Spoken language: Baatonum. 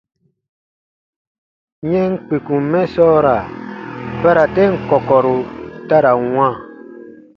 Yɛm kpikum mɛ sɔɔra bara ten kɔkɔru ta ra n wãa.